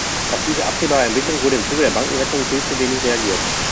Auf diese absehbare Entwicklung wurde im Zuge der Bankenrettung viel zu wenig reagiert.